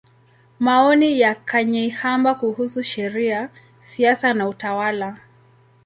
Maoni ya Kanyeihamba kuhusu Sheria, Siasa na Utawala.